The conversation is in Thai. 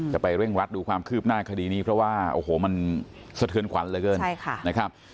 จะไปเร่งรัดดูความคืบหน้าคดีนี้เพราะว่ามันสะเทือนขวัญเหลือเกิน